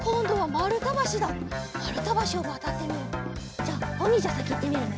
じゃあおにんじゃさきいってみるね。